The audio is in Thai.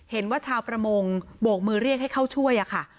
เห็นว่าชาวประมงโบกมือเรียกให้เข้าช่วยค่ะ